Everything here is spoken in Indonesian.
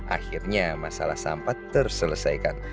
akhirnya masalah sampah terselesaikan